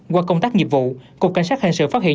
qua công tác nghiệp vụ cục cảnh sát hình sự phát hiện